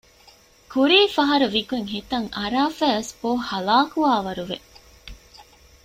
ކުރީފަހަރު ވިގޮތް ހިތަށް އަރައިފަވެސް ބޯ ހަލާކުވާ ވަރު ވެ